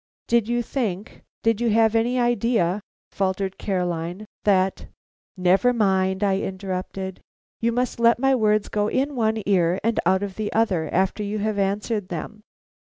"Did you think did you have any idea " faltered Caroline, "that " "Never mind," I interrupted. "You must let my words go in one ear and out of the other after you have answered them.